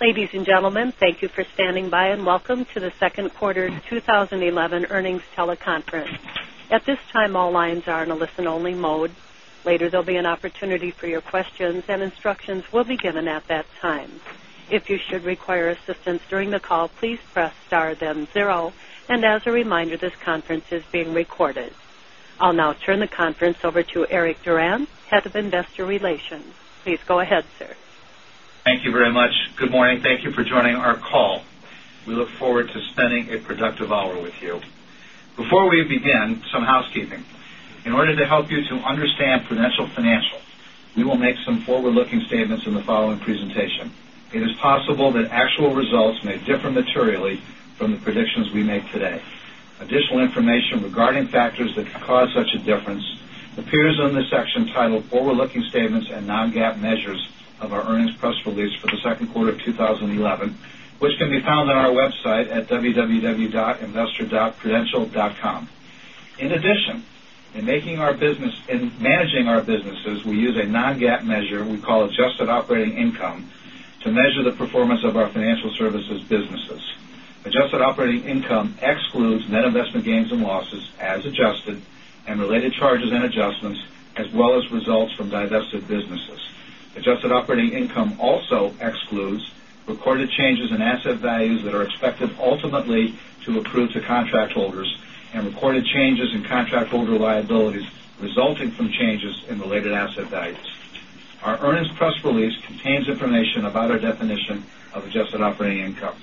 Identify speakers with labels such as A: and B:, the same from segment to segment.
A: Ladies and gentlemen, thank you for standing by. Welcome to the second quarter 2011 earnings teleconference. At this time, all lines are in a listen only mode. Later, there'll be an opportunity for your questions, and instructions will be given at that time. If you should require assistance during the call, please press star then zero. As a reminder, this conference is being recorded. I'll now turn the conference over to Eric Durand, Head of Investor Relations. Please go ahead, sir.
B: Thank you very much. Good morning. Thank you for joining our call. We look forward to spending a productive hour with you. Before we begin, some housekeeping. In order to help you to understand Prudential Financial, we will make some forward-looking statements in the following presentation. It is possible that actual results may differ materially from the predictions we make today. Additional information regarding factors that could cause such a difference appears in the section titled Forward-Looking Statements and Non-GAAP Measures of our earnings press release for the second quarter of 2011, which can be found on our website at www.investor.prudential.com. In addition, in managing our businesses, we use a non-GAAP measure we call adjusted operating income to measure the performance of our financial services businesses. Adjusted operating income excludes net investment gains and losses as adjusted and related charges and adjustments, as well as results from divested businesses. Adjusted operating income also excludes recorded changes in asset values that are expected ultimately to accrue to contract holders and recorded changes in contract holder liabilities resulting from changes in related asset values. Our earnings press release contains information about our definition of adjusted operating income.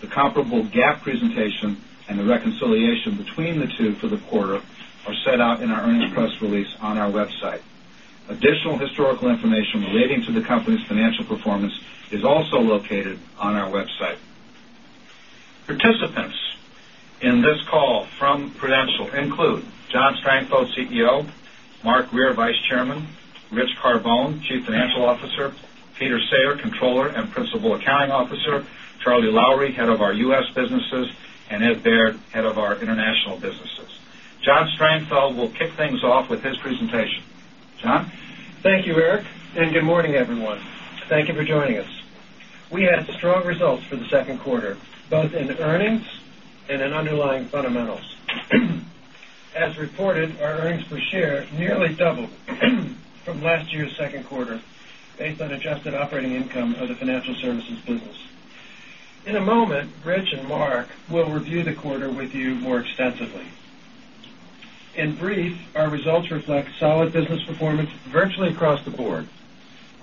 B: The comparable GAAP presentation and the reconciliation between the two for the quarter are set out in our earnings press release on our website. Additional historical information relating to the company's financial performance is also located on our website. Participants in this call from Prudential include John Strangfeld, CEO; Mark Grier, Vice Chairman; Rich Carbone, Chief Financial Officer; Peter Sayre, Controller and Principal Accounting Officer; Charlie Lowrey, Head of our U.S. Businesses; and Ed Baird, Head of our International Businesses. John Strangfeld will kick things off with his presentation. John?
C: Thank you, Eric, and good morning, everyone. Thank you for joining us. We had strong results for the second quarter, both in earnings and in underlying fundamentals. As reported, our earnings per share nearly doubled from last year's second quarter based on adjusted operating income of the financial services business. In a moment, Rich and Mark will review the quarter with you more extensively. In brief, our results reflect solid business performance virtually across the board.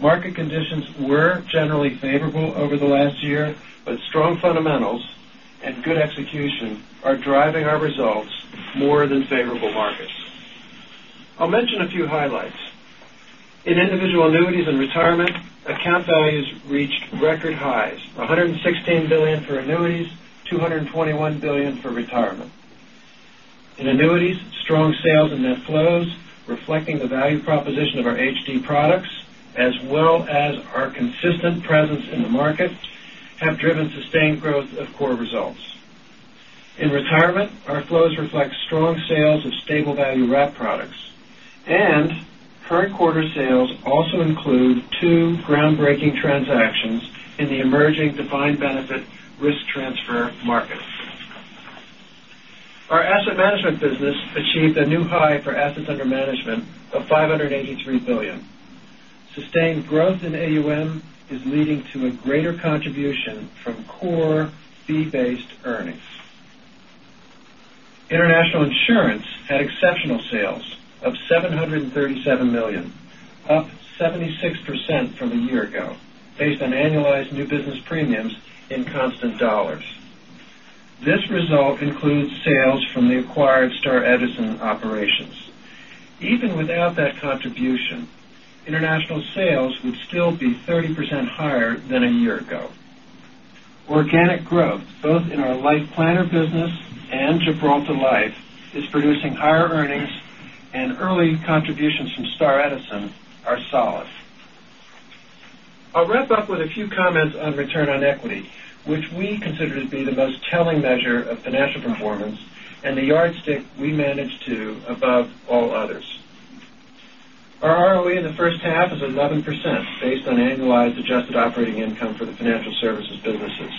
C: Market conditions were generally favorable over the last year, but strong fundamentals and good execution are driving our results more than favorable markets. I'll mention a few highlights. In individual annuities and retirement, account values reached record highs, $116 billion for annuities, $221 billion for retirement. In annuities, strong sales and net flows reflecting the value proposition of our HD products as well as our consistent presence in the market have driven sustained growth of core results. In retirement, our flows reflect strong sales of Stable Value Wrap products, and current quarter sales also include two groundbreaking transactions in the emerging defined benefit risk transfer market. Our asset management business achieved a new high for assets under management of $583 billion. Sustained growth in AUM is leading to a greater contribution from core fee-based earnings. International insurance had exceptional sales of $737 million, up 76% from a year ago, based on annualized new business premiums in constant dollars. This result includes sales from the acquired Star Edison operations. Even without that contribution, international sales would still be 30% higher than a year ago. Organic growth, both in our LifePlanner business and Gibraltar Life, is producing higher earnings, and early contributions from Star Edison are solid. I'll wrap up with a few comments on return on equity, which we consider to be the most telling measure of financial performance and the yardstick we manage to above all others. Our ROE in the first half is 11%, based on annualized adjusted operating income for the financial services businesses.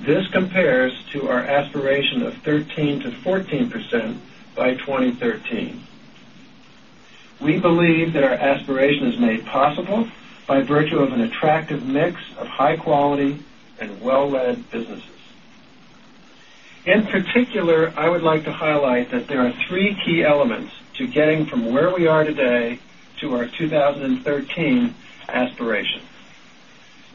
C: This compares to our aspiration of 13%-14% by 2013. We believe that our aspiration is made possible by virtue of an attractive mix of high quality and well-led businesses. In particular, I would like to highlight that there are three key elements to getting from where we are today to our 2013 aspiration.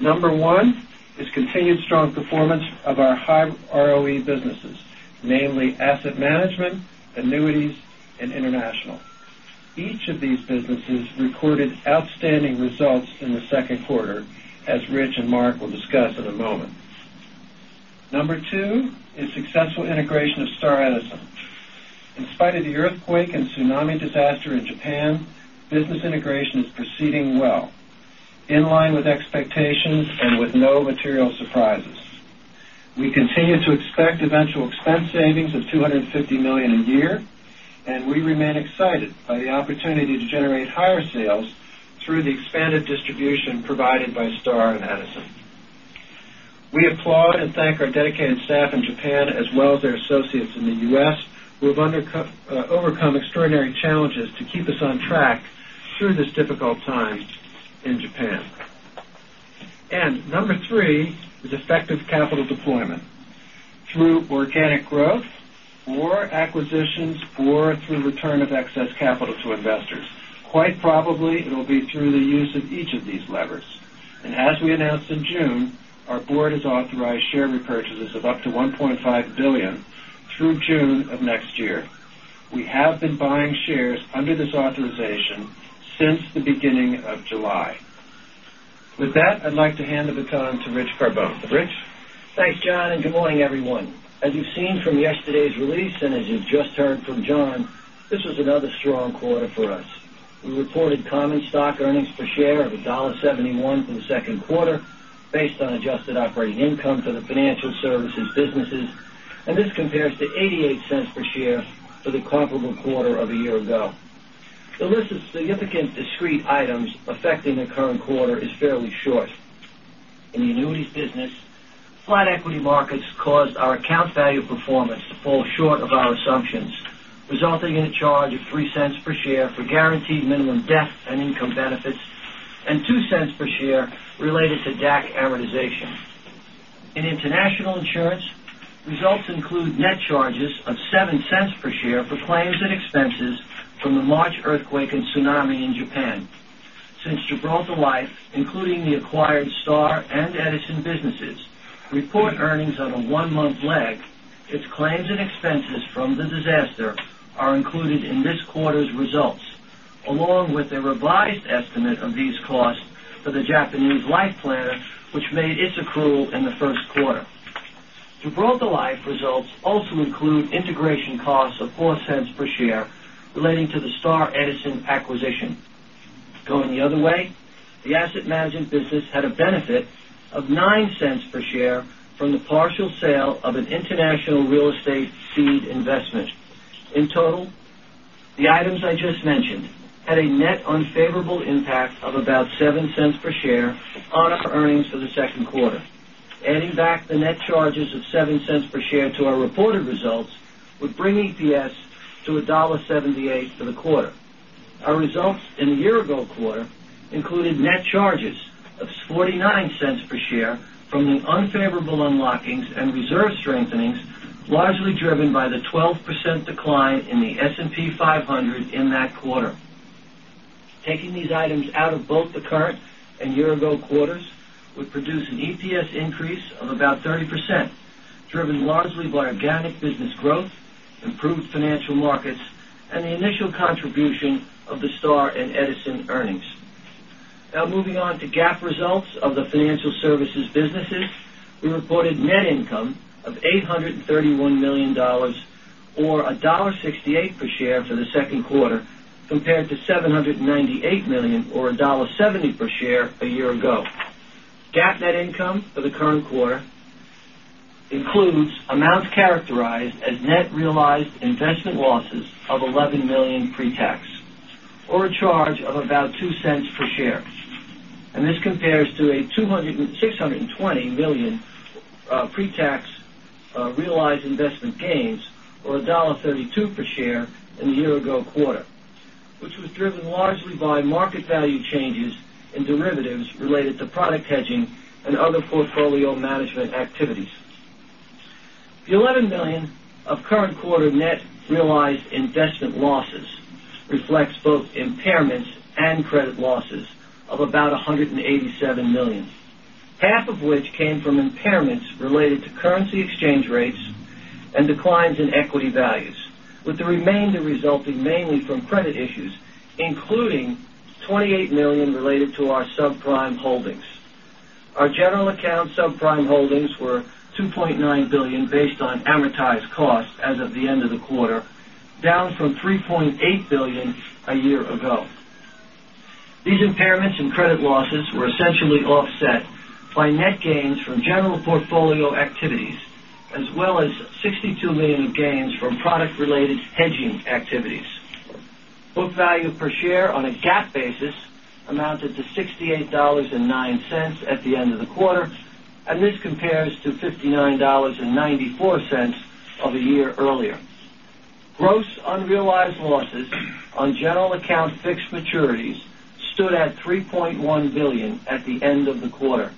C: Number one is continued strong performance of our high ROE businesses, namely asset management, annuities, and international. Each of these businesses recorded outstanding results in the second quarter, as Rich and Mark will discuss in a moment. Number two is successful integration of Star Edison. In spite of the earthquake and tsunami disaster in Japan, business integration is proceeding well, in line with expectations and with no material surprises. We continue to expect eventual expense savings of $250 million a year, and we remain excited by the opportunity to generate higher sales through the expanded distribution provided by Star and Edison. We applaud and thank our dedicated staff in Japan as well as their associates in the U.S., who have overcome extraordinary challenges to keep us on track through this difficult time in Japan. Number three is effective capital deployment through organic growth or acquisitions or through return of excess capital to investors. Quite probably, it'll be through the use of each of these levers. As we announced in June, our board has authorized share repurchases of up to $1.5 billion through June of next year. We have been buying shares under this authorization since the beginning of July. With that, I'd like to hand the baton to Rich Carbone. Rich?
D: Thanks, John, and good morning, everyone. As you've seen from yesterday's release and as you've just heard from John, this was another strong quarter for us. We reported common stock earnings per share of $1.71 for the second quarter based on adjusted operating income for the financial services businesses, this compares to $0.88 per share for the comparable quarter of a year ago. The list of significant discrete items affecting the current quarter is fairly short. In the annuities business, flat equity markets caused our account value performance to fall short of our assumptions, resulting in a charge of $0.03 per share for guaranteed minimum death and income benefits and $0.02 per share related to DAC amortization. In international insurance, results include net charges of $0.07 per share for claims and expenses from the March earthquake and tsunami in Japan. Since Gibraltar Life, including the acquired Star and Edison businesses, report earnings on a one-month lag, its claims and expenses from the disaster are included in this quarter's results, along with a revised estimate of these costs for the Japanese Life Planner, which made its accrual in the first quarter. Gibraltar Life results also include integration costs of $0.04 per share relating to the Star and Edison acquisition. Going the other way, the asset management business had a benefit of $0.09 per share from the partial sale of an international real estate seed investment. In total, the items I just mentioned had a net unfavorable impact of about $0.07 per share on our earnings for the second quarter. Adding back the net charges of $0.07 per share to our reported results would bring EPS to $1.78 for the quarter. Our results in the year-ago quarter included net charges of $0.49 per share from the unfavorable unlockings and reserve strengthenings, largely driven by the 12% decline in the S&P 500 in that quarter. Taking these items out of both the current and year-ago quarters would produce an EPS increase of about 30%, driven largely by organic business growth, improved financial markets, and the initial contribution of the Star and Edison earnings. Moving on to GAAP results of the financial services businesses. We reported net income of $831 million, or $1.68 per share for the second quarter, compared to $798 million or $1.70 per share a year ago. GAAP net income for the current quarter includes amounts characterized as net realized investment losses of $11 million pre-tax, or a charge of about $0.02 per share. This compares to a $620 million pre-tax realized investment gains, or $1.32 per share in the year-ago quarter, which was driven largely by market value changes in derivatives related to product hedging and other portfolio management activities. The $11 million of current quarter net realized investment losses reflects both impairments and credit losses of about $187 million, half of which came from impairments related to currency exchange rates and declines in equity values, with the remainder resulting mainly from credit issues, including $28 million related to our subprime holdings. Our general account subprime holdings were $2.9 billion based on amortized cost as of the end of the quarter, down from $3.8 billion a year ago. These impairments and credit losses were essentially offset by net gains from general portfolio activities, as well as $62 million of gains from product-related hedging activities. Book value per share on a GAAP basis amounted to $68.09 at the end of the quarter, this compares to $59.94 of a year earlier. Gross unrealized losses on general account fixed maturities stood at $3.1 billion at the end of the quarter,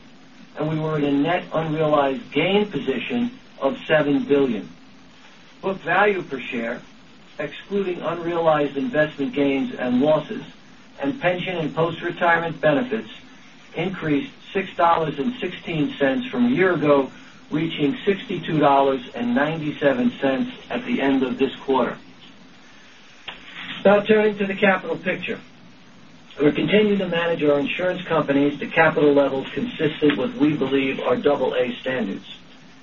D: we were in a net unrealized gain position of $7 billion. Book value per share, excluding unrealized investment gains and losses and pension and post-retirement benefits, increased $6.16 from a year ago, reaching $62.97 at the end of this quarter. Now turning to the capital picture. We continue to manage our insurance companies to capital levels consistent with we believe are double A standards.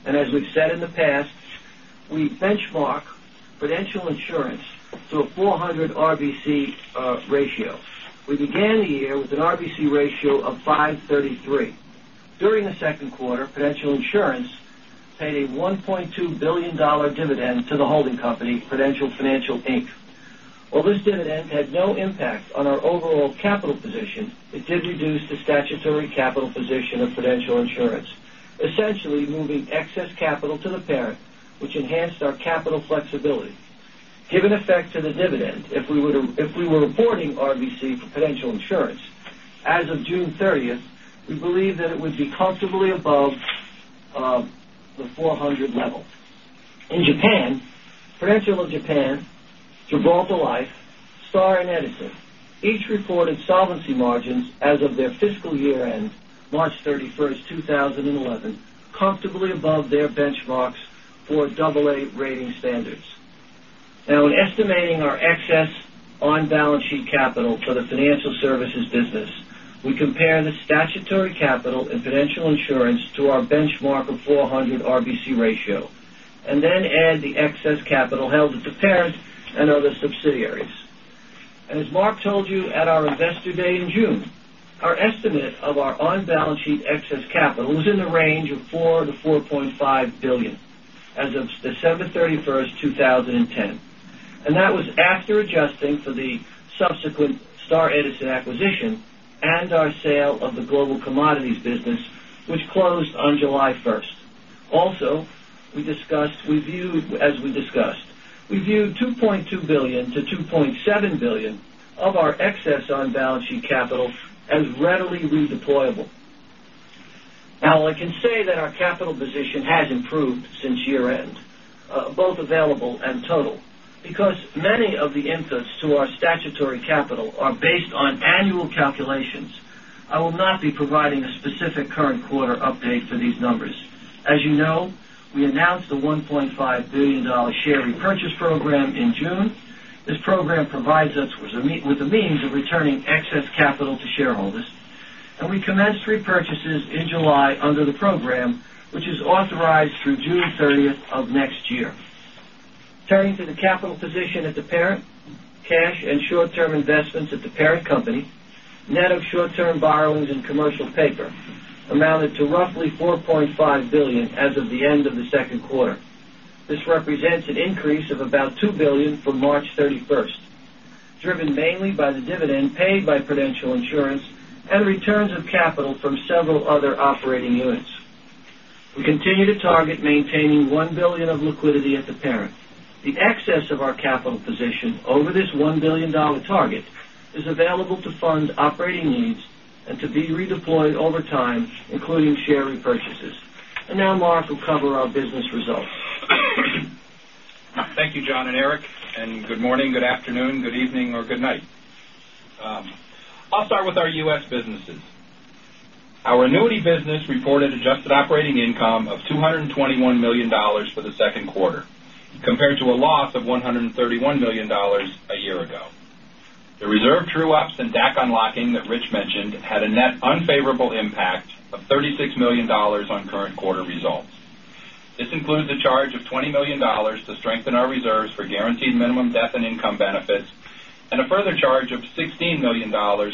D: As we've said in the past We benchmark Prudential Insurance to a 400 RBC ratio. We began the year with an RBC ratio of 533. During the second quarter, Prudential Insurance paid a $1.2 billion dividend to the holding company, Prudential Financial, Inc. While this dividend had no impact on our overall capital position, it did reduce the statutory capital position of Prudential Insurance, essentially moving excess capital to the parent, which enhanced our capital flexibility. Given effect to the dividend, if we were reporting RBC for Prudential Insurance, as of June 30th, we believe that it would be comfortably above the 400 level. In Japan, Prudential of Japan, Gibraltar Life, Star and Edison each reported solvency margins as of their fiscal year end, March 31st, 2011, comfortably above their benchmarks for double A rating standards. In estimating our excess on balance sheet capital for the financial services business, we compare the statutory capital in Prudential Insurance to our benchmark of 400 RBC ratio, then add the excess capital held at the parent and other subsidiaries. As Mark told you at our investor day in June, our estimate of our on-balance sheet excess capital was in the range of $4 billion-$4.5 billion as of December 31st, 2010. That was after adjusting for the subsequent Star Edison acquisition and our sale of the global commodities business, which closed on July 1st. Also, as we discussed, we view $2.2 billion-$2.7 billion of our excess on-balance sheet capital as readily redeployable. I can say that our capital position has improved since year-end, both available and total. Because many of the inputs to our statutory capital are based on annual calculations, I will not be providing a specific current quarter update for these numbers. As you know, we announced a $1.5 billion share repurchase program in June. This program provides us with a means of returning excess capital to shareholders, we commenced repurchases in July under the program, which is authorized through June 30th of next year. Turning to the capital position at the parent, cash and short-term investments at the parent company, net of short-term borrowings and commercial paper amounted to roughly $4.5 billion as of the end of the second quarter. This represents an increase of about $2 billion from March 31st, driven mainly by the dividend paid by Prudential Insurance and returns of capital from several other operating units. We continue to target maintaining $1 billion of liquidity at the parent. The excess of our capital position over this $1 billion target is available to fund operating needs and to be redeployed over time, including share repurchases. Now Mark will cover our business results.
E: Thank you, John and Eric, good morning, good afternoon, good evening or good night. I'll start with our U.S. businesses. Our annuity business reported adjusted operating income of $221 million for the second quarter compared to a loss of $131 million a year ago. The reserve true-ups and DAC unlocking that Rich mentioned had a net unfavorable impact of $36 million on current quarter results. This includes a charge of $20 million to strengthen our reserves for guaranteed minimum death and income benefits, and a further charge of $16 million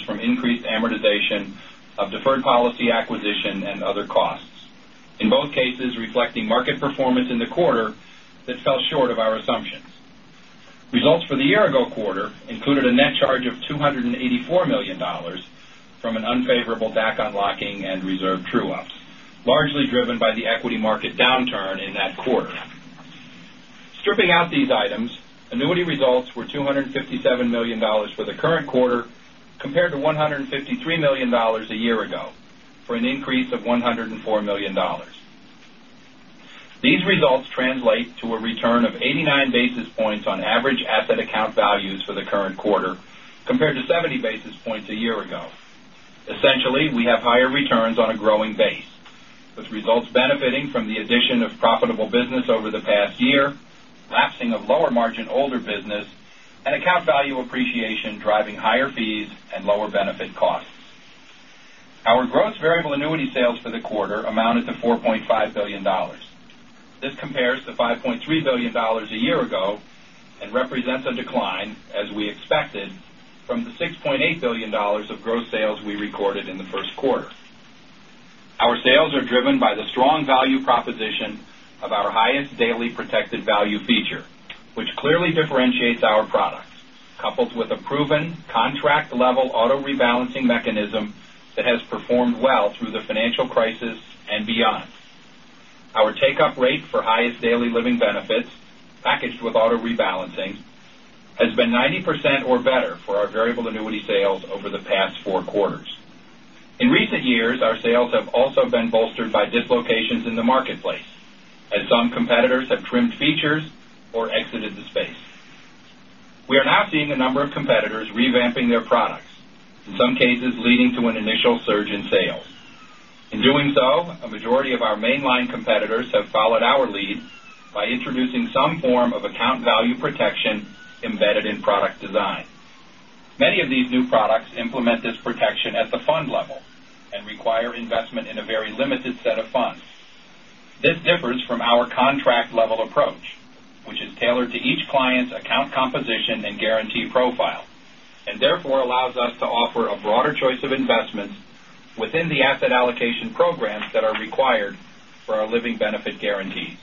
E: from increased amortization of deferred policy acquisition and other costs, in both cases reflecting market performance in the quarter that fell short of our assumptions. Results for the year-ago quarter included a net charge of $284 million from an unfavorable DAC unlocking and reserve true-ups, largely driven by the equity market downturn in that quarter. Stripping out these items, annuity results were $257 million for the current quarter compared to $153 million a year ago for an increase of $104 million. These results translate to a return of 89 basis points on average asset account values for the current quarter compared to 70 basis points a year ago. Essentially, we have higher returns on a growing base, with results benefiting from the addition of profitable business over the past year, lapsing of lower margin older business, and account value appreciation driving higher fees and lower benefit costs. Our gross variable annuity sales for the quarter amounted to $4.5 billion. This compares to $5.3 billion a year ago and represents a decline, as we expected, from the $6.8 billion of gross sales we recorded in the first quarter. Our sales are driven by the strong value proposition of our Highest Daily protected value feature, which clearly differentiates our products, coupled with a proven contract-level auto rebalancing mechanism that has performed well through the financial crisis and beyond. Our take-up rate for Highest Daily living benefits packaged with auto rebalancing has been 90% or better for our variable annuity sales over the past four quarters. In recent years, our sales have also been bolstered by dislocations in the marketplace, as some competitors have trimmed features or exited the space. We are now seeing a number of competitors revamping their products, in some cases leading to an initial surge in sales. In doing so, a majority of our mainline competitors have followed our lead by introducing some form of account value protection embedded in product design. Many of these new products implement this protection at the fund level. Require investment in a very limited set of funds. This differs from our contract-level approach, which is tailored to each client's account composition and guarantee profile, and therefore allows us to offer a broader choice of investments within the asset allocation programs that are required for our living benefit guarantees.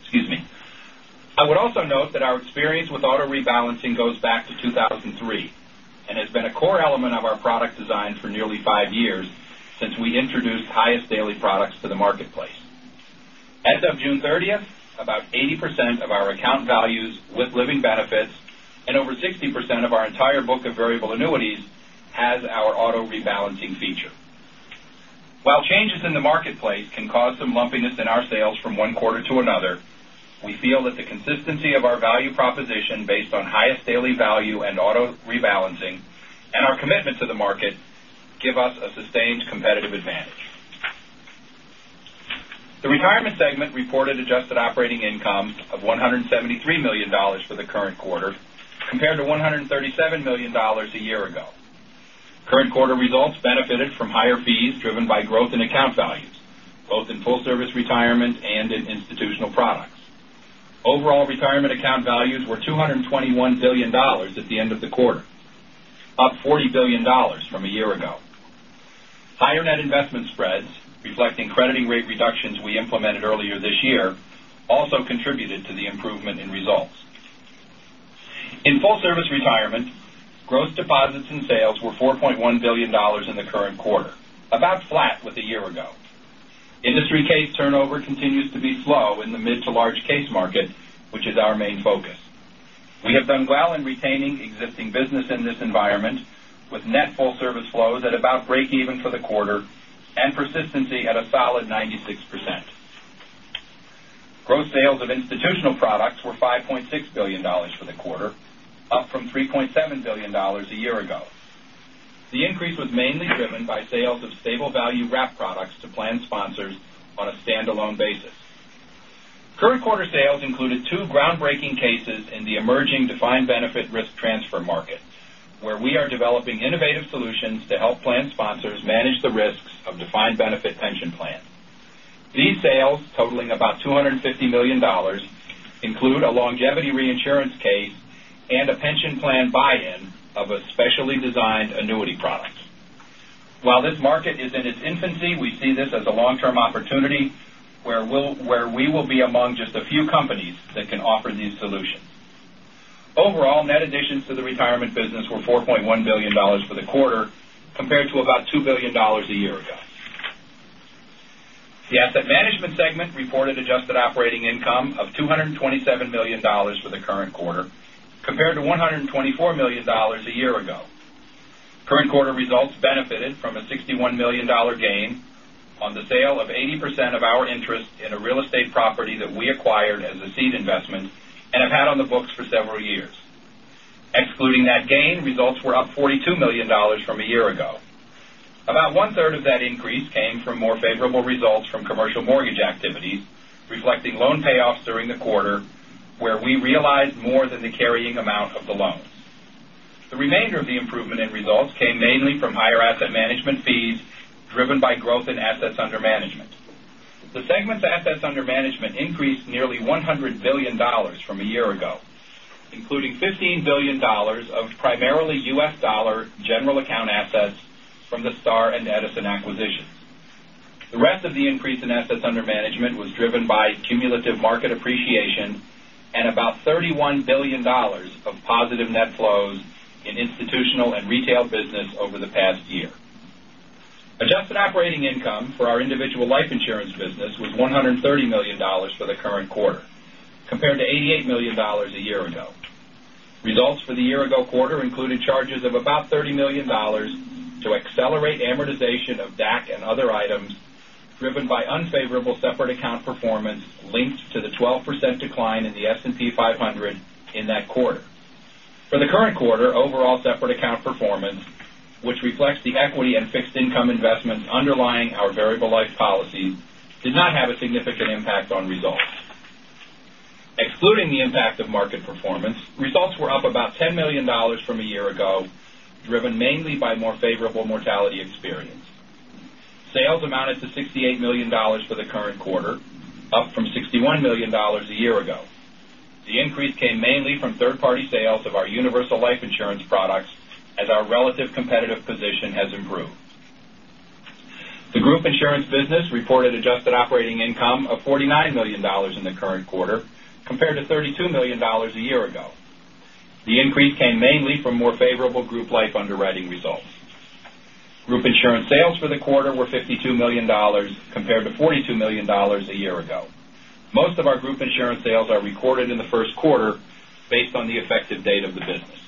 E: Excuse me. I would also note that our experience with auto rebalancing goes back to 2003 and has been a core element of our product design for nearly five years since we introduced Highest Daily products to the marketplace. As of June 30th, about 80% of our account values with living benefits and over 60% of our entire book of variable annuities has our auto rebalancing feature. While changes in the marketplace can cause some lumpiness in our sales from one quarter to another, we feel that the consistency of our value proposition, based on Highest Daily value and auto rebalancing, and our commitment to the market, give us a sustained competitive advantage. The retirement segment reported adjusted operating income of $173 million for the current quarter, compared to $137 million a year ago. Current quarter results benefited from higher fees driven by growth in account values, both in full service retirement and in institutional products. Overall retirement account values were $221 billion at the end of the quarter, up $40 billion from a year ago. Higher net investment spreads, reflecting crediting rate reductions we implemented earlier this year, also contributed to the improvement in results. In full service retirement, gross deposits and sales were $4.1 billion in the current quarter, about flat with a year ago. Industry case turnover continues to be slow in the mid to large case market, which is our main focus. We have done well in retaining existing business in this environment, with net full service flows at about breakeven for the quarter and persistency at a solid 96%. Gross sales of institutional products were $5.6 billion for the quarter, up from $3.7 billion a year ago. The increase was mainly driven by sales of Stable Value Wrap products to plan sponsors on a standalone basis. Current quarter sales included two groundbreaking cases in the emerging defined benefit risk transfer market, where we are developing innovative solutions to help plan sponsors manage the risks of defined benefit pension plans. These sales, totaling about $250 million, include a longevity reinsurance case and a pension plan buy-in of a specially designed annuity product. While this market is in its infancy, we see this as a long-term opportunity where we will be among just a few companies that can offer these solutions. Overall, net additions to the retirement business were $4.1 billion for the quarter, compared to about $2 billion a year ago. The asset management segment reported adjusted operating income of $227 million for the current quarter, compared to $124 million a year ago. Current quarter results benefited from a $61 million gain on the sale of 80% of our interest in a real estate property that we acquired as a seed investment and have had on the books for several years. Excluding that gain, results were up $42 million from a year ago. About one-third of that increase came from more favorable results from commercial mortgage activities, reflecting loan payoffs during the quarter, where we realized more than the carrying amount of the loans. The remainder of the improvement in results came mainly from higher asset management fees, driven by growth in assets under management. The segment's assets under management increased nearly $100 billion from a year ago, including $15 billion of primarily U.S. dollar general account assets from the Star and Edison acquisitions. The rest of the increase in assets under management was driven by cumulative market appreciation and about $31 billion of positive net flows in institutional and retail business over the past year. adjusted operating income for our individual life insurance business was $130 million for the current quarter, compared to $88 million a year ago. Results for the year ago quarter included charges of about $30 million to accelerate amortization of DAC and other items, driven by unfavorable separate account performance linked to the 12% decline in the S&P 500 in that quarter. For the current quarter, overall separate account performance, which reflects the equity and fixed income investments underlying our variable life policy, did not have a significant impact on results. Excluding the impact of market performance, results were up about $10 million from a year ago, driven mainly by more favorable mortality experience. Sales amounted to $68 million for the current quarter, up from $61 million a year ago. The increase came mainly from third-party sales of our universal life insurance products, as our relative competitive position has improved. The group insurance business reported adjusted operating income of $49 million in the current quarter, compared to $32 million a year ago. The increase came mainly from more favorable group life underwriting results. Group insurance sales for the quarter were $52 million, compared to $42 million a year ago. Most of our group insurance sales are recorded in the first quarter based on the effective date of the business.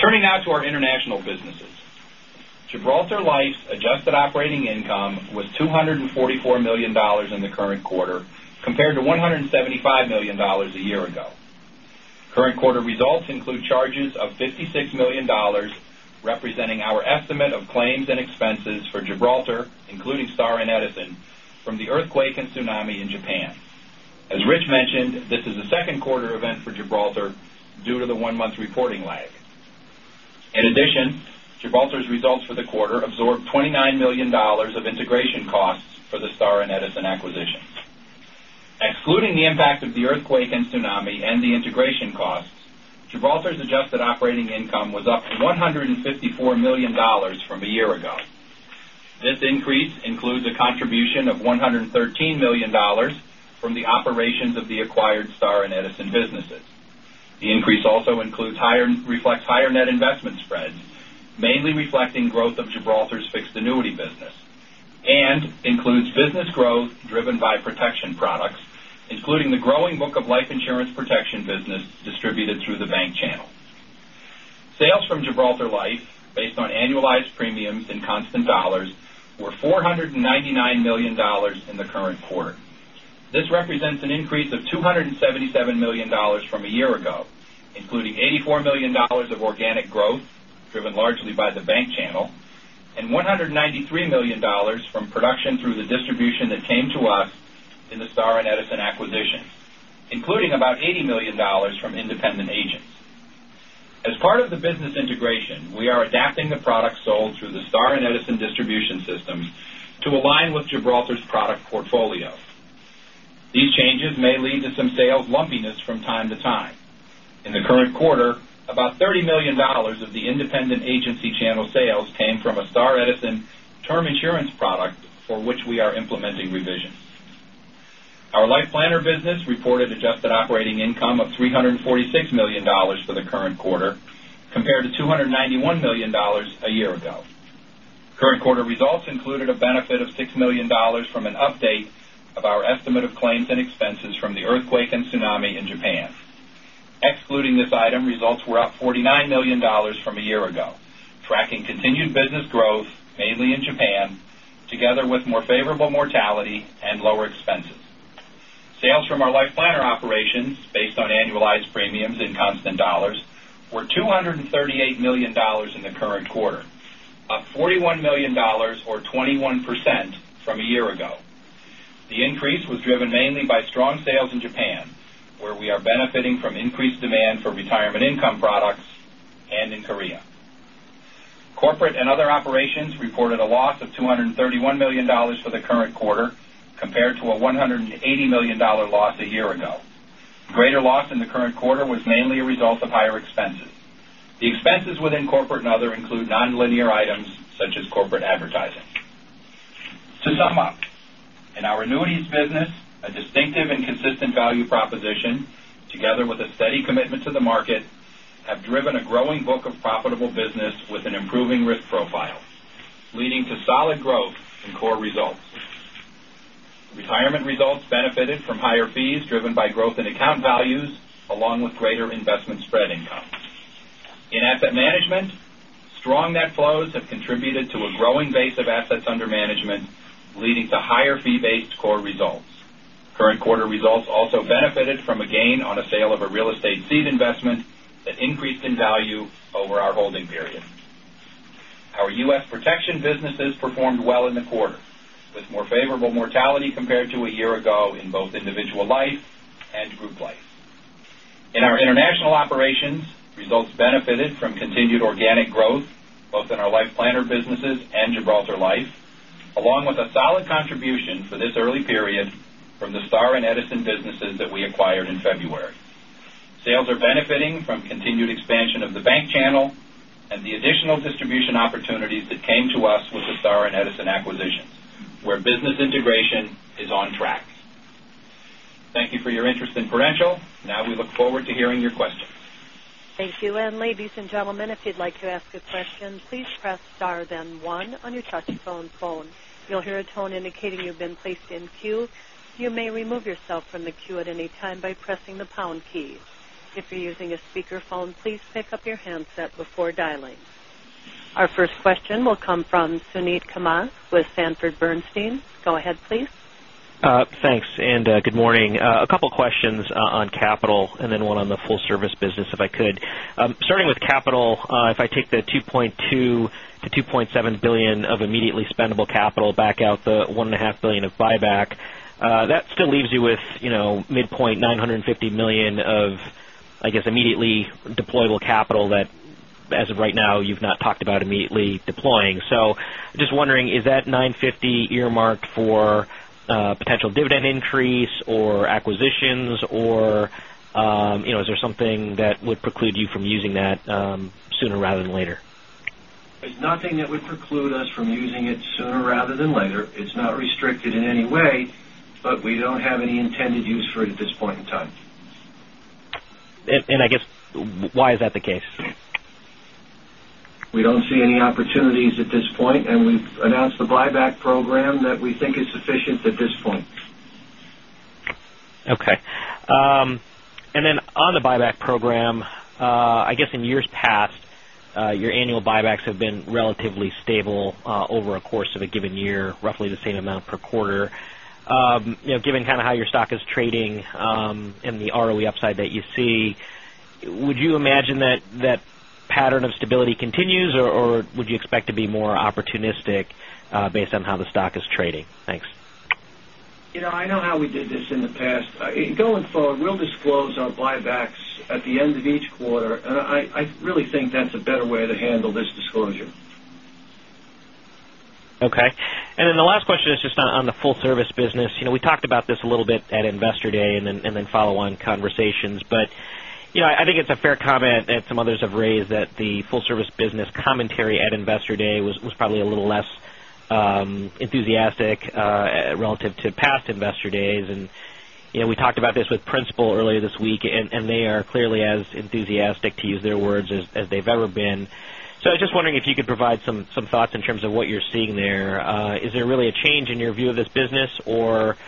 E: Turning now to our international businesses. Gibraltar Life's adjusted operating income was $244 million in the current quarter, compared to $175 million a year ago. Current quarter results include charges of $56 million, representing our estimate of claims and expenses for Gibraltar, including Star & Edison, from the earthquake and tsunami in Japan. As Rich mentioned, this is a second quarter event for Gibraltar due to the one-month reporting lag. In addition, Gibraltar's results for the quarter absorbed $29 million of integration costs for the Star and Edison acquisitions. Excluding the impact of the earthquake and tsunami and the integration costs, Gibraltar's adjusted operating income was up to $154 million from a year ago. This increase includes a contribution of $113 million from the operations of the acquired Star and Edison businesses. The increase also reflects higher net investment spreads, mainly reflecting growth of Gibraltar's fixed annuity business and includes business growth driven by protection products, including the growing book of life insurance protection business distributed through the bank channel. Sales from Gibraltar Life, based on annualized premiums in constant dollars, were $499 million in the current quarter. This represents an increase of $277 million from a year ago, including $84 million of organic growth, driven largely by the bank channel, and $193 million from production through the distribution that came to us in the Star and Edison acquisition, including about $80 million from independent agents. As part of the business integration, we are adapting the products sold through the Star and Edison distribution systems to align with Gibraltar's product portfolio. These changes may lead to some sales lumpiness from time to time. In the current quarter, about $30 million of the independent agency channel sales came from a Star Edison term insurance product for which we are implementing revisions. Our Life Planner business reported adjusted operating income of $346 million for the current quarter compared to $291 million a year ago. Current quarter results included a benefit of $6 million from an update of our estimate of claims and expenses from the earthquake and tsunami in Japan. Excluding this item, results were up $49 million from a year ago, tracking continued business growth, mainly in Japan, together with more favorable mortality and lower expenses. Sales from our Life Planner operations, based on annualized premiums in constant dollars, were $238 million in the current quarter, up $41 million or 21% from a year ago. The increase was driven mainly by strong sales in Japan, where we are benefiting from increased demand for retirement income products, and in Korea. Corporate and other operations reported a loss of $231 million for the current quarter compared to a $180 million loss a year ago. Greater loss in the current quarter was mainly a result of higher expenses. The expenses within corporate and other include nonlinear items such as corporate advertising. To sum up, in our annuities business, a distinctive and consistent value proposition, together with a steady commitment to the market, have driven a growing book of profitable business with an improving risk profile, leading to solid growth in core results. Retirement results benefited from higher fees driven by growth in account values, along with greater investment spread income. In asset management, strong net flows have contributed to a growing base of assets under management, leading to higher fee-based core results. Current quarter results also benefited from a gain on a sale of a real estate seed investment that increased in value over our holding period. Our U.S. protection businesses performed well in the quarter, with more favorable mortality compared to a year ago in both individual life and group life. In our international operations, results benefited from continued organic growth both in our Life Planner businesses and Gibraltar Life, along with a solid contribution for this early period from the Star and Edison businesses that we acquired in February. Sales are benefiting from continued expansion of the bank channel and the additional distribution opportunities that came to us with the Star and Edison acquisitions, where business integration is on track. Thank you for your interest in Prudential. Now we look forward to hearing your questions.
A: Thank you. Ladies and gentlemen, if you'd like to ask a question, please press * then 1 on your touch tone phone. You'll hear a tone indicating you've been placed in queue. You may remove yourself from the queue at any time by pressing the # key. If you're using a speakerphone, please pick up your handset before dialing. Our first question will come from Suneet Kamath with Sanford Bernstein. Go ahead, please.
F: Thanks. Good morning. A couple questions on capital and then one on the full service business, if I could. Starting with capital, if I take the $2.2 billion-$2.7 billion of immediately spendable capital back out the $1.5 billion of buyback, that still leaves you with midpoint $950 million of, I guess, immediately deployable capital that as of right now, you've not talked about immediately deploying. Just wondering, is that $950 earmarked for potential dividend increase or acquisitions or is there something that would preclude you from using that sooner rather than later?
E: There's nothing that would preclude us from using it sooner rather than later. It's not restricted in any way, but we don't have any intended use for it at this point in time.
F: I guess, why is that the case?
E: We don't see any opportunities at this point, and we've announced the buyback program that we think is sufficient at this point.
F: Okay. On the buyback program, I guess in years past, your annual buybacks have been relatively stable over a course of a given year, roughly the same amount per quarter. Given how your stock is trading and the ROE upside that you see. Would you imagine that pattern of stability continues, or would you expect to be more opportunistic based on how the stock is trading? Thanks.
C: I know how we did this in the past. Going forward, we'll disclose our buybacks at the end of each quarter. I really think that's a better way to handle this disclosure.
F: Okay. The last question is just on the full service business. We talked about this a little bit at Investor Day and then follow-on conversations. I think it's a fair comment that some others have raised that the full service business commentary at Investor Day was probably a little less enthusiastic relative to past Investor Days. We talked about this with Principal earlier this week, and they are clearly as enthusiastic, to use their words, as they've ever been. I was just wondering if you could provide some thoughts in terms of what you're seeing there. Is there really a change in your view of this business, or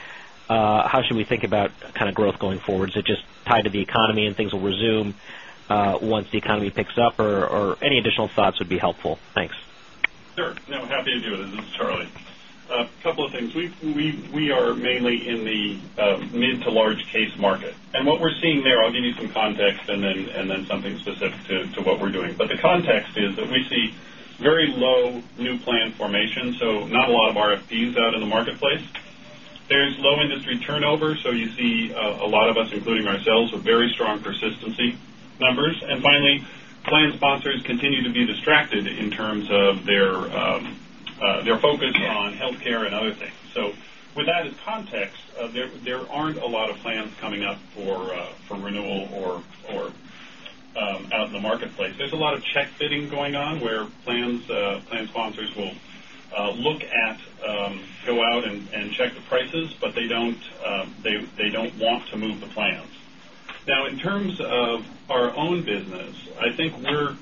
F: how should we think about kind of growth going forward? Is it just tied to the economy and things will resume once the economy picks up, or any additional thoughts would be helpful. Thanks.
G: Sure. No, happy to do it. This is Charlie. A couple of things. We are mainly in the mid to large case market. What we're seeing there, I'll give you some context and then something specific to what we're doing. The context is that we see very low new plan formation, not a lot of RFPs out in the marketplace. There is low industry turnover, you see a lot of us, including ourselves, with very strong persistency numbers. Finally, plan sponsors continue to be distracted in terms of their focus on healthcare and other things. With that as context, there aren't a lot of plans coming up for renewal or out in the marketplace. There's a lot of check fitting going on where plan sponsors will look at, go out, and check the prices, but they don't want to move the plans. In terms of our own business, I think we're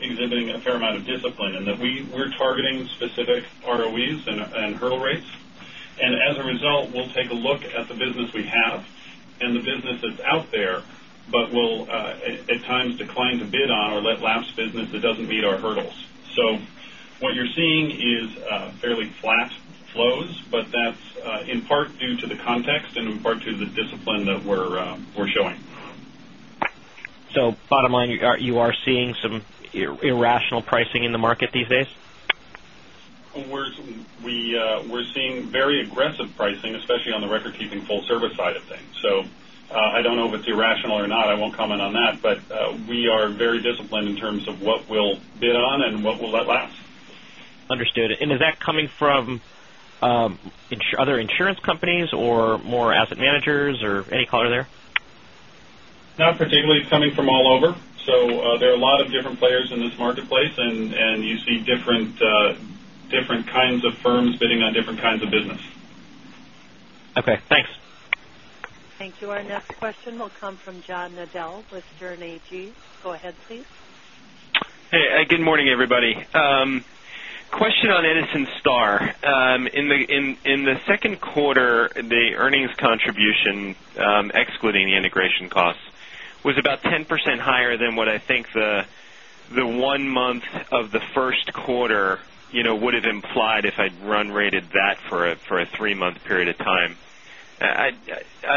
G: exhibiting a fair amount of discipline in that we're targeting specific ROEs and hurdle rates. As a result, we'll take a look at the business we have and the business that's out there, but we'll, at times, decline to bid on or let lapse business that doesn't meet our hurdles. What you're seeing is fairly flat flows, but that's in part due to the context and in part due to the discipline that we're showing.
F: Bottom line, you are seeing some irrational pricing in the market these days?
G: We're seeing very aggressive pricing, especially on the record-keeping full service side of things. I don't know if it's irrational or not. I won't comment on that. We are very disciplined in terms of what we'll bid on and what we'll let lapse.
F: Understood. Is that coming from other insurance companies or more asset managers or any color there?
G: Not particularly. It's coming from all over. There are a lot of different players in this marketplace, and you see different kinds of firms bidding on different kinds of business.
F: Okay, thanks.
A: Thank you. Our next question will come from John Nadel with Sterne, Agee & Leach. Go ahead, please.
H: Hey, good morning, everybody. Question on Edison Star. In the second quarter, the earnings contribution, excluding the integration costs, was about 10% higher than what I think the one month of the first quarter would have implied if I'd run rated that for a three-month period of time. I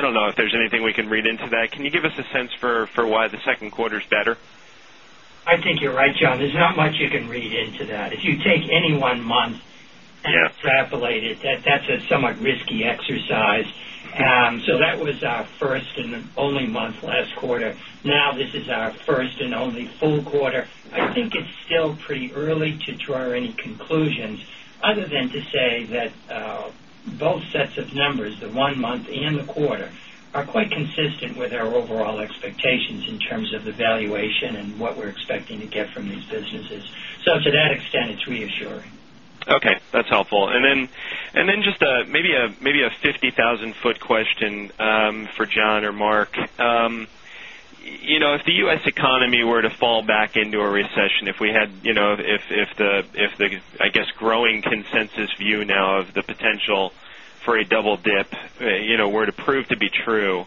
H: don't know if there's anything we can read into that. Can you give us a sense for why the second quarter is better?
C: I think you're right, John. There's not much you can read into that. If you take any one month and extrapolate it, that's a somewhat risky exercise. That was our first and only month last quarter. Now this is our first and only full quarter. I think it's still pretty early to draw any conclusions other than to say that both sets of numbers, the one month and the quarter, are quite consistent with our overall expectations in terms of the valuation and what we're expecting to get from these businesses. To that extent, it's reassuring.
H: Okay. That's helpful. Just maybe a 50,000-foot question for John or Mark. If the U.S. economy were to fall back into a recession, if the, I guess, growing consensus view now of the potential for a double dip were to prove to be true,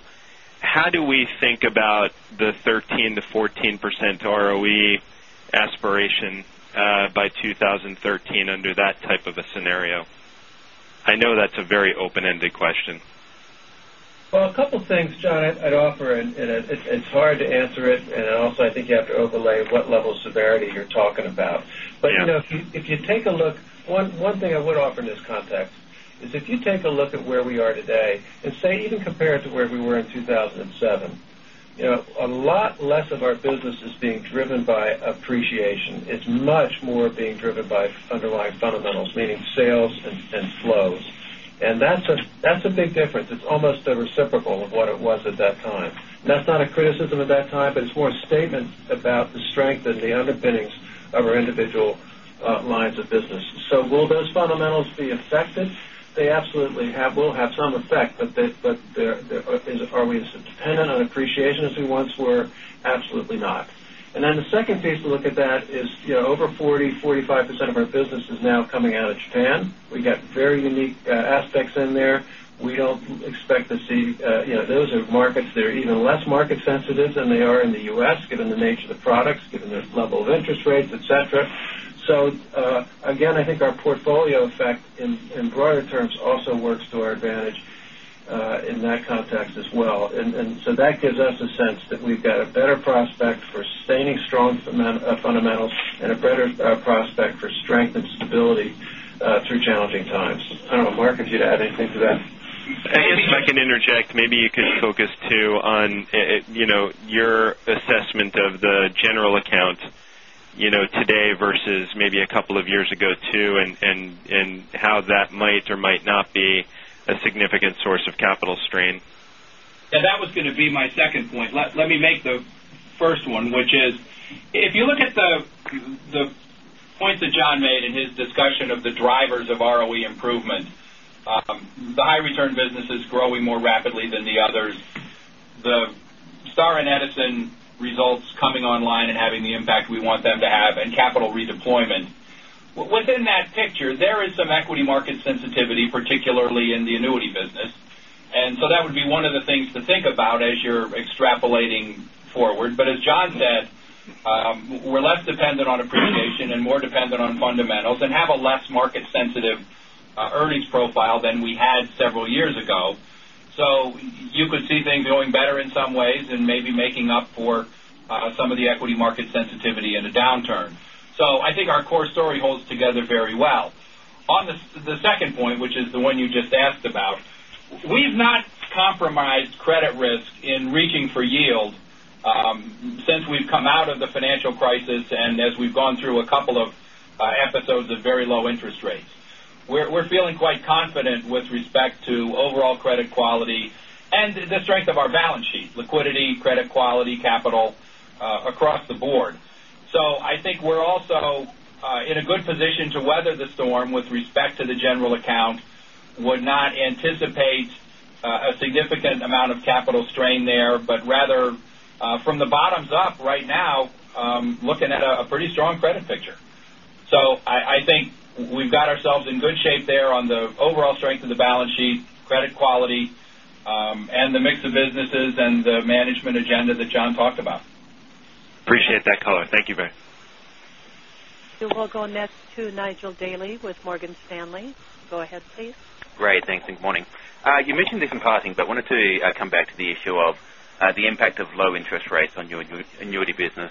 H: how do we think about the 13%-14% ROE aspiration by 2013 under that type of a scenario? I know that's a very open-ended question.
C: Well, a couple things, John, I'd offer, it's hard to answer it. Also, I think you have to overlay what level of severity you're talking about.
H: Yeah.
C: If you take a look, one thing I would offer in this context is if you take a look at where we are today and say even compared to where we were in 2007, a lot less of our business is being driven by appreciation. It's much more being driven by underlying fundamentals, meaning sales and flows. That's a big difference. It's almost a reciprocal of what it was at that time. That's not a criticism of that time, it's more a statement about the strength and the underpinnings of our individual lines of business. Will those fundamentals be affected? They absolutely will have some effect. Are we as dependent on appreciation as we once were? Absolutely not. The second piece to look at that is over 40%, 45% of our business is now coming out of Japan. We got very unique aspects in there. We don't expect. Those are markets that are even less market sensitive than they are in the U.S., given the nature of the products, given their level of interest rates, et cetera. Again, I think our portfolio effect in broader terms also works to our advantage.
G: In that context as well. That gives us a sense that we've got a better prospect for sustaining strong fundamentals and a better prospect for strength and stability through challenging times. I don't know, Mark, if you'd add anything to that.
H: If I can interject, maybe you could focus too, on your assessment of the general account today versus maybe a couple of years ago too, and how that might or might not be a significant source of capital strain.
E: Yeah, that was going to be my second point. Let me make the first one, which is, if you look at the points that John made in his discussion of the drivers of ROE improvement, the high return business is growing more rapidly than the others. The Star and Edison results coming online and having the impact we want them to have and capital redeployment. Within that picture, there is some equity market sensitivity, particularly in the annuity business. That would be one of the things to think about as you're extrapolating forward. As John said, we're less dependent on appreciation and more dependent on fundamentals and have a less market-sensitive earnings profile than we had several years ago. You could see things going better in some ways and maybe making up for some of the equity market sensitivity in a downturn. I think our core story holds together very well. On the second point, which is the one you just asked about, we've not compromised credit risk in reaching for yield since we've come out of the financial crisis and as we've gone through a couple of episodes of very low interest rates. We're feeling quite confident with respect to overall credit quality and the strength of our balance sheet, liquidity, credit quality, capital, across the board. I think we're also in a good position to weather the storm with respect to the general account. Would not anticipate a significant amount of capital strain there, but rather from the bottoms up right now, looking at a pretty strong credit picture. I think we've got ourselves in good shape there on the overall strength of the balance sheet, credit quality, and the mix of businesses and the management agenda that John talked about.
H: Appreciate that color. Thank you very much.
A: We'll go next to Nigel Dally with Morgan Stanley. Go ahead, please.
I: Great. Thanks, and good morning. You mentioned this in passing, but wanted to come back to the issue of the impact of low interest rates on your annuity business.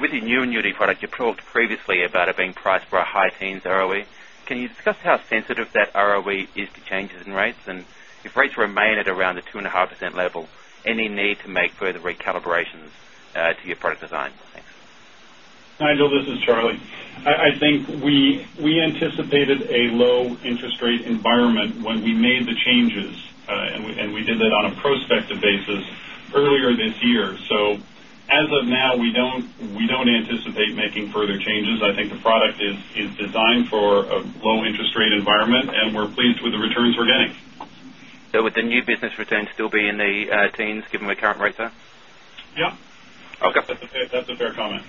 I: With your new annuity product, you talked previously about it being priced for a high teens ROE. Can you discuss how sensitive that ROE is to changes in rates? If rates remain at around the 2.5% level, any need to make further recalibrations to your product design? Thanks.
G: Nigel, this is Charlie. I think we anticipated a low interest rate environment when we made the changes, and we did that on a prospective basis earlier this year. As of now, we don't anticipate making further changes. I think the product is designed for a low interest rate environment, and we're pleased with the returns we're getting.
I: Would the new business returns still be in the teens given the current rates there?
G: Yeah.
I: Okay.
G: That's a fair comment.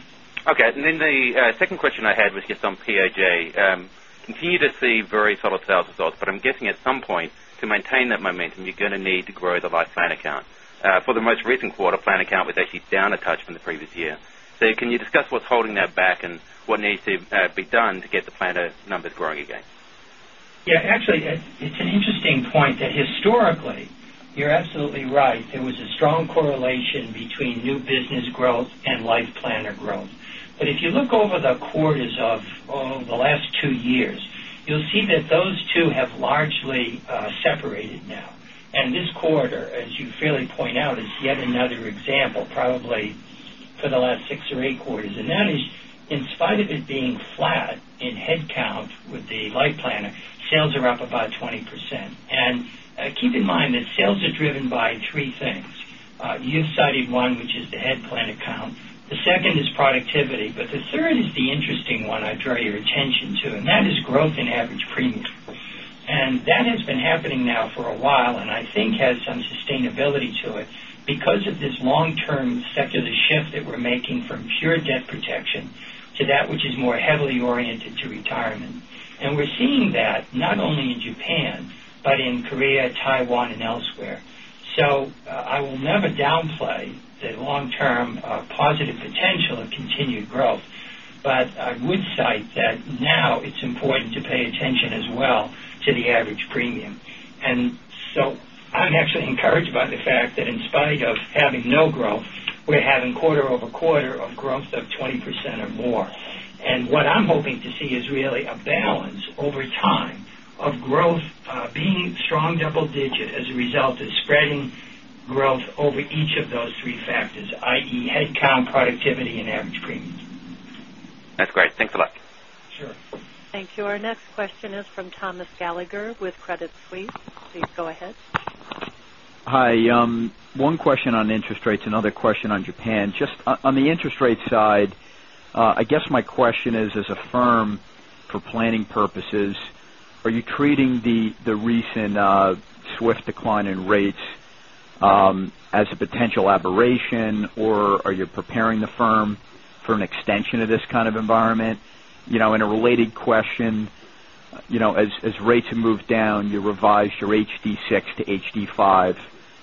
I: Okay. The second question I had was just on POJ. Continue to see very solid sales results, but I'm guessing at some point to maintain that momentum, you're going to need to grow the Life Planner account. For the most recent quarter, Planner account was actually down a touch from the previous year. Can you discuss what's holding that back and what needs to be done to get the Planner numbers growing again?
J: Yeah, actually, it's an interesting point that historically, you're absolutely right. There was a strong correlation between new business growth and Life Planner growth. If you look over the quarters of the last two years, you'll see that those two have largely separated now. This quarter, as you fairly point out, is yet another example, probably for the last six or eight quarters. That is, in spite of it being flat in head count with the Life Planner, sales are up about 20%. Keep in mind that sales are driven by three things. You've cited one, which is the head count. The second is productivity. The third is the interesting one I draw your attention to, and that is growth in average premium. That has been happening now for a while, and I think has some sustainability to it because of this long-term secular shift that we're making from pure debt protection to that which is more heavily oriented to retirement. We're seeing that not only in Japan, but in Korea, Taiwan, and elsewhere. I will never downplay the long-term positive potential of continued growth. I would cite that now it's important to pay attention as well to the average premium. I'm actually encouraged by the fact that in spite of having no growth, we're having quarter-over-quarter of growth of 20% or more. What I'm hoping to see is really a balance over time of growth being strong double digit as a result of spreading growth over each of those three factors, i.e., head count, productivity, and average premium.
I: That's great. Thanks a lot.
J: Sure.
A: Thank you. Our next question is from Thomas Gallagher with Credit Suisse. Please go ahead.
K: Hi. One question on interest rates, another question on Japan. On the interest rate side, I guess my question is, as a firm for planning purposes, are you treating the recent swift decline in rates as a potential aberration, or are you preparing the firm for an extension of this kind of environment? In a related question, as rates have moved down, you revised your HD6 to HD5.